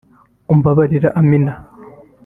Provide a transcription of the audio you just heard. “Umbabarire Amina